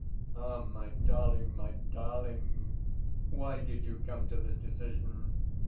Ah, my darling, my darling! WHY did you come to this decision?